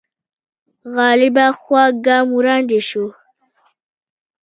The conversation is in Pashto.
غالبه خوا ګام وړاندې شو